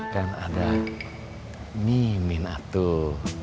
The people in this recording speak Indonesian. kan ada mimin atuh